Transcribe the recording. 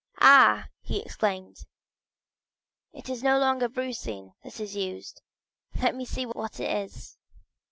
"Ah," he exclaimed, "it is no longer brucine that is used; let me see what it is!"